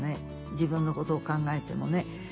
自分のことを考えてもね。